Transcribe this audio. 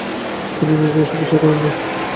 তিনি নিজে এইসব বিশ্বাস করেন না।